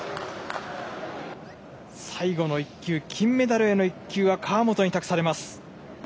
最後の１球メダルへの１球は河本に託されます。